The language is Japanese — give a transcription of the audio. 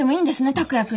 拓也君と。